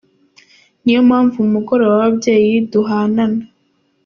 Niyo mpamvu mu mugoroba w’ababyeyi duhanana….